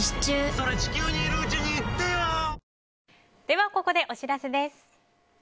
では、ここでお知らせです。